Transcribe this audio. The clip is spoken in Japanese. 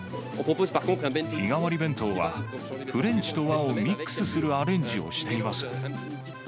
日替わり弁当は、フレンチと和をミックスするアレンジをしています。